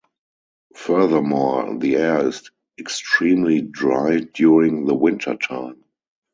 Furthermore, the air is extremely dry during the winter time.